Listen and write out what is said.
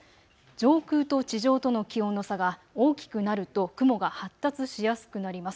上空と地上との気温の差が大きくなると雲が発達しやすくなります。